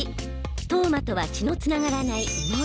投馬とは血のつながらない妹。